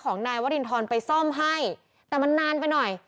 ของนายวรินทรไปซ่อมให้แต่มันนานไปหน่อย